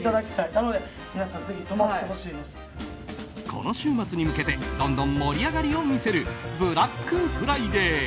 この週末に向けてどんどん盛り上がりを見せるブラックフライデー。